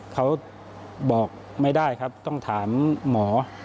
เขาบอกไม่ได้ครับต้องถามหมอ